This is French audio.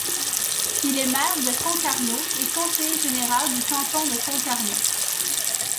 Il est maire de Concarneau et conseiller général du canton de Concarneau.